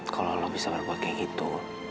kalau lo bisa berbuat kayak gitu